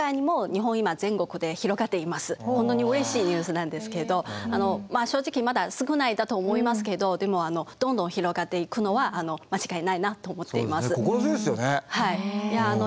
本当にうれしいニュースなんですけどまあ正直まだ少ないと思いますけどどんどん広がっていくのは間違いないなと思っています。